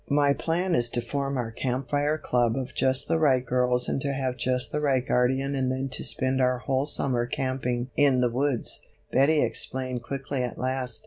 "My plan is to form our Camp Fire Club of just the right girls and to have just the right guardian and then to spend our whole summer camping in the woods," Betty explained quickly at last.